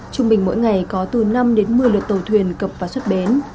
trung bình mỗi ngày có từ năm đến một mươi lượt tàu thuyền cập và xuất bến